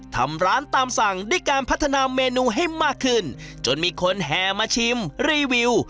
ทำร้านตามสั่งด้วยการพัฒนาเมนูให้มากขึ้นจนมีคนแห่มาชิมรีวิว